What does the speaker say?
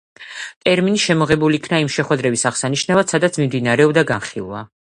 ტერმინი შემოღებულ იქნა იმ შეხვედრების აღსანიშნავად, სადაც მიმდინარეობდა განხილვა.